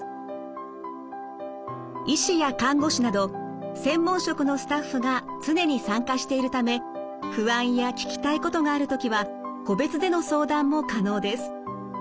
医師や看護師など専門職のスタッフが常に参加しているため不安や聞きたいことがある時は個別での相談も可能です。